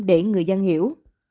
để người dân hiểu